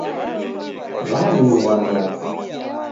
Waw'ingwa noko